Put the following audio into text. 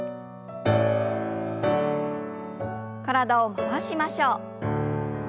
体を回しましょう。